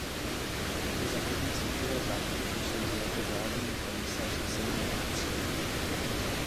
Za první světové války působil jako vládní komisař v Sedmihradsku.